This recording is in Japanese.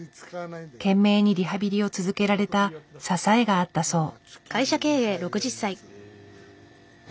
懸命にリハビリを続けられた支えがあったそう。